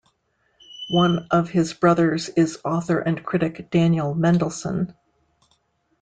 One of his brothers is author and critic Daniel Mendelsohn.